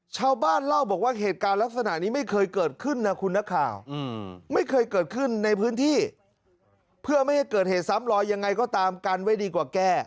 ชาวบ้านเล่าบอกว่าเหตุการณ์ลักษณะนี้ไม่เคยเกิดขึ้นนะคุณนักข่าว